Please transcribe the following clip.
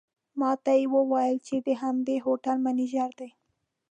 ماته یې وویل چې د همدې هوټل منیجر دی.